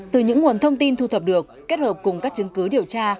từ những nguồn thông tin thu thập được kết hợp cùng các chứng cứ điều tra